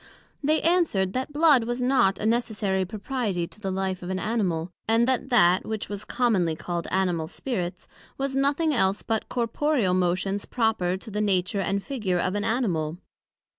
They answered, That blood was not a necessary propriety to the life of an Animal; and that that which was commonly called Animal spirits, was nothing else but corporeal motions proper to the nature and figure of an Animal.